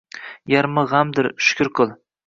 Yarmi g’amdir, shukr qil.